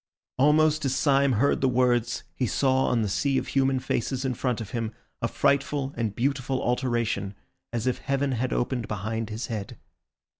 Almost as Syme heard the words, he saw on the sea of human faces in front of him a frightful and beautiful alteration, as if heaven had opened behind his head.